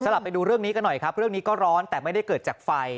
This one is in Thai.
ไปดูเรื่องนี้กันหน่อยครับเรื่องนี้ก็ร้อนแต่ไม่ได้เกิดจากไฟ